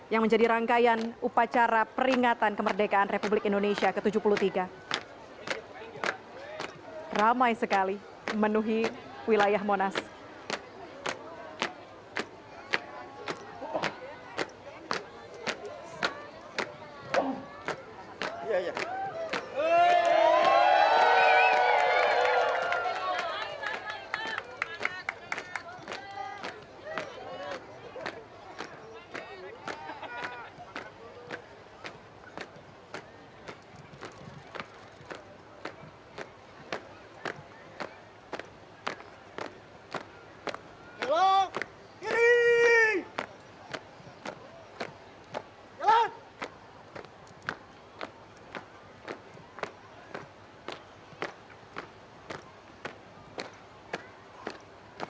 yang menjadi rangkaian upacara mendekat sang merah putih kembali ke tempatnya semula untuk disimpan bersama dengan naskah proklamasi yang berikut ini